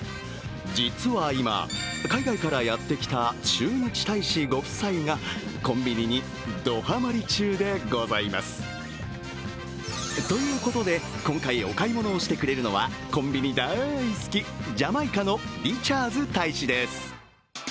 実は今、海外からやってきた駐日大使ご夫妻がコンビニにどハマり中でございます。ということで今回、お買い物をしてくれるのはコンビニ大好き、ジャマイカのリチャーズ大使です。